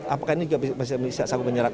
apakah ini juga masih bisa menyerap